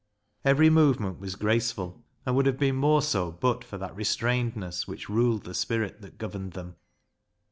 Every movement was graceful, and would have been more so but for that restrainedness which ruled the spirit that governed them.